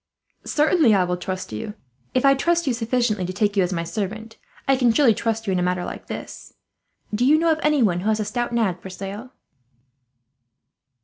"Certainly, I will trust you. If I trust you sufficiently to take you as my servant, I can surely trust you in a matter like this. Do you know of anyone who has a stout nag for sale?"